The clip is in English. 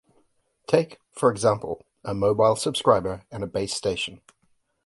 Take, for example, a mobile subscriber and a base station.